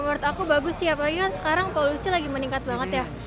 menurut aku bagus sih apalagi kan sekarang polusi lagi meningkat banget ya